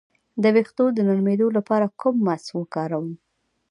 د ویښتو د نرمیدو لپاره کوم ماسک وکاروم؟